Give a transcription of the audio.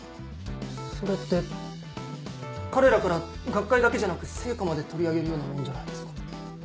それって彼らから学会だけじゃなく成果まで取り上げるようなもんじゃないですか。